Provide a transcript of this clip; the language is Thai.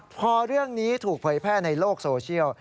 พอเรื่องนี้ถูกเผยแพร่ในโลกโซเชียล